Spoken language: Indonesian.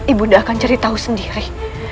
ibu bunda akan ceritahu sendiri